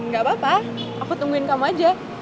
gak apa apa aku tungguin kamu aja